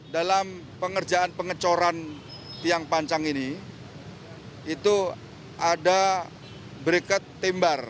dalam pengerjaan pengecoran tiang pancang ini itu ada berikat timbar